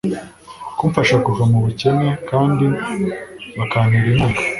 kumfasha kuva mu bukene kandi bakantera inkunga